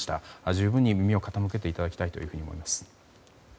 十分に耳を傾けていただきたいと思います。